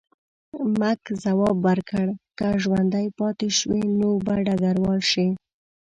مک ځواب ورکړ، که ژوندی پاتې شوې نو به ډګروال شې.